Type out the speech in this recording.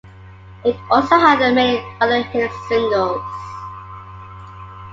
It also had many other hit singles.